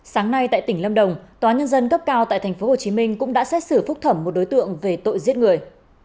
sáng nay tại tỉnh lâm đồng tòa nhân dân cấp cao tại tp hcm cũng đã xét xử phúc thẩm một đối tượng về tội giết người